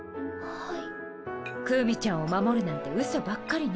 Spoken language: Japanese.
はい。